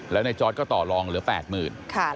แล้วไนจอร์ธก็ต่อรองเหลือแปดหมื่น